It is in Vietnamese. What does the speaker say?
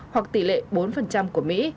hoặc tỷ lệ bốn của mỹ